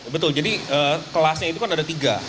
betul jadi kelasnya itu kan ada tiga